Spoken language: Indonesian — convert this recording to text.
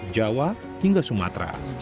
jawa hingga sumatera